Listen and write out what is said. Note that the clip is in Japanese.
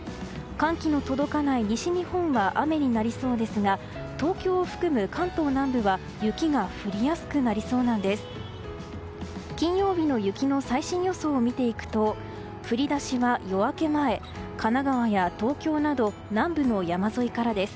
寒気の届かない西日本は雨になりそうですが東京を含む関東南部は雪が降りやすくなりそうなんです。